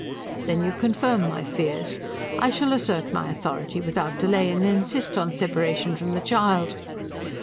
Then you confirm my fears. I shall assert my authority without delay, and insist on separation from the child.